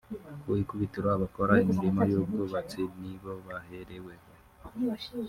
Ku ikubitiro abakora imirimo y’ubwubatsi ni bo bahereweho